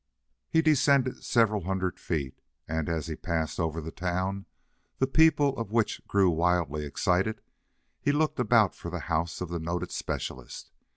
He descended several hundred feet, and, as he passed over the town, the people of which grew wildly excited, he looked about for the house of the noted specialist.